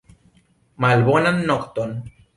Malbonan nokton!